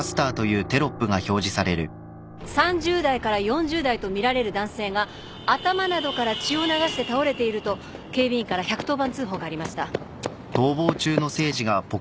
３０代から４０代とみられる男性が頭などから血を流して倒れていると警備員から１１０番通報がありました。